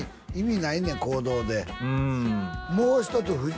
意味ないねん行動でうーんもう一つ